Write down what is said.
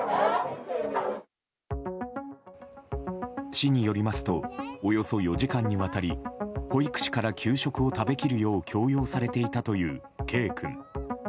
市によりますとおよそ４時間にわたり保育士から給食を食べきるよう強要されていたというＫ君。